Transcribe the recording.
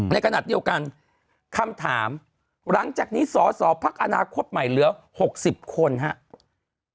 ในขณะเดียวกันคำถามหลังจากนี้สสพักอนาคตใหม่เหลือ๖๐คนครับ